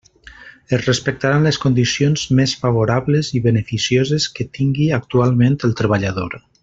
Es respectaran les condicions més favorables i beneficioses que tingui actualment el treballador.